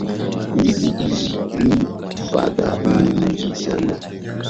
mbili hizi ni fedha nyingi sana Na kwa mtu mmoja mmoja kukuwanaweza kuwa ndio